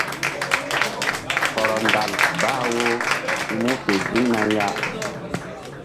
Hɔrɔ ndal bah wo hi̧ mu fe ziŋna ya.